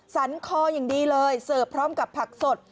สันคออย่างดีเลยเสิร์ฟพร้อมกับผักสด